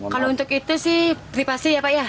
kalau untuk itu sih privasi ya pak ya